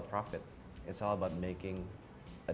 ini tentang membuat perbedaan dan meninggalkan